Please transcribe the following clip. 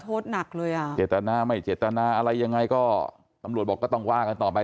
โทษหนักเลยอ่ะเจตนาไม่เจตนาอะไรยังไงก็ตำรวจบอกก็ต้องว่ากันต่อไป